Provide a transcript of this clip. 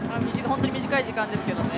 本当に短い時間ですけどね